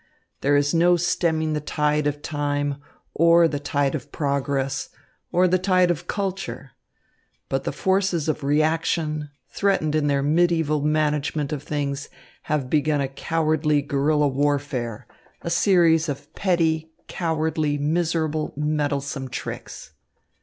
There is no stemming the tide of time, or the tide of progress, or the tide of culture. But the forces of reaction, threatened in their mediæval management of things, have begun a cowardly guerilla warfare, a series of petty, cowardly, miserable, meddlesome tricks."